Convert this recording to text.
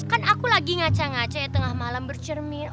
kan aku lagi ngaca ngaca ya tengah malam bercermin